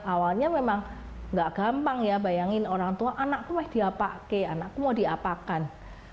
awalnya memang gak gampang ya bayangin orang tua anakku mah diapake anakku mau diapakan